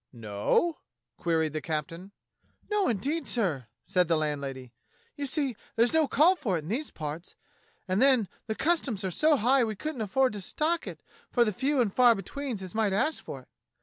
"No?" queried the captain. "No, indeed, sir," said the landlady. "You see there's no call for it in these parts. And then the customs are so high we couldn't afford to stock it for the few and far betweens as might ask for it.